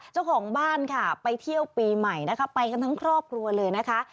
เจ้าของบ้านค่ะไปเที่ยวปีใหม่นะคะไปกันทั้งครอบครัวเลยนะคะ